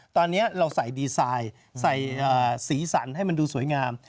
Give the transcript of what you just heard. ตอนนี้เราใส่ดีไซน์ใส่สีสันให้มันดูสวยงาม